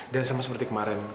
dan sama seperti kemarin